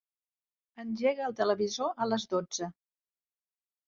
Engega el televisor a les dotze.